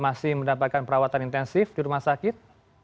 masih mendapatkan perawatan intensif di rumah sakit